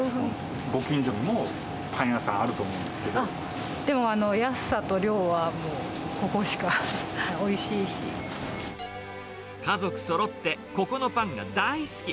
ご近所にもパン屋さんあるとでも安さと量は、もうここし家族そろって、ここのパンが大好き。